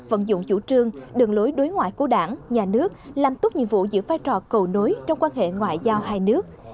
vận dụng chủ trương đường lối đối ngoại của đảng nhà nước làm tốt nhiệm vụ giữ vai trò cầu nối trong quan hệ ngoại giao hai nước